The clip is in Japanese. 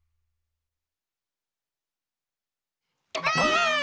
ばあっ！